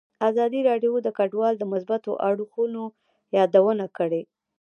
ازادي راډیو د کډوال د مثبتو اړخونو یادونه کړې.